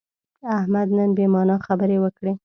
احمد نن بې معنا خبرې وکړې.